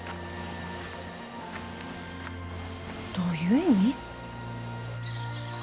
どういう意味？